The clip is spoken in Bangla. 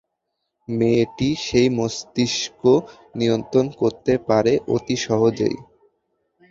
মেয়েটি সেই মস্তিষ্ক নিয়ন্ত্রণ করতে পারে অতি সহজেই।